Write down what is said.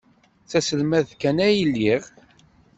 D aselmad kan ay lliɣ.